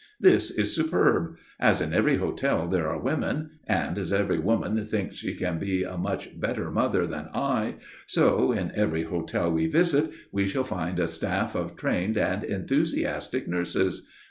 "This is superb. As in every hotel there are women, and as every woman thinks she can be a much better mother than I, so in every hotel we visit we shall find a staff of trained and enthusiastic nurses.